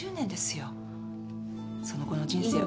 その後の人生は。